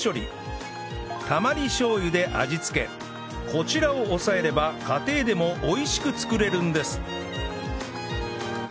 こちらを押さえれば家庭でも美味しく作れるんです